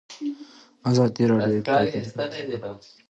ازادي راډیو د اطلاعاتی تکنالوژي په اړه د حکومتي ستراتیژۍ ارزونه کړې.